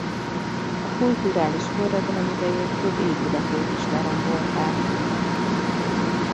A kulturális forradalom idején több épületét is lerombolták.